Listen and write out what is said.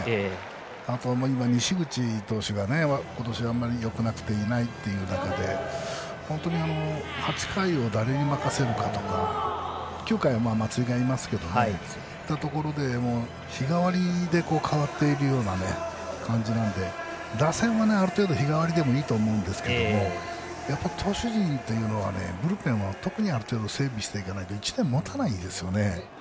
あと、西口投手が今年あまりよくなくていないという中で本当に８回を誰に任せるかとか９回は松井がいますけど日替わりで変わっているような感じなので打線は、ある程度日替わりでもいいと思うんですけど、投手陣はブルペンはある程度整備していかないと１年もたないですよね。